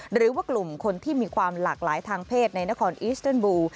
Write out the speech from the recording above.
หรือว่ากลุ่มคนที่มีความหลากหลายทางเพศในนครอีสเติลบูล